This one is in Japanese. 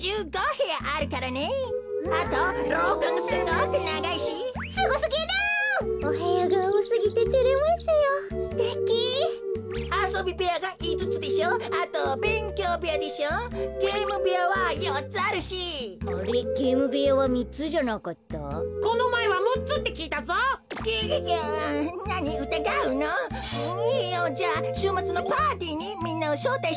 いいよ。じゃあしゅうまつのパーティーにみんなをしょうたいしてあげます。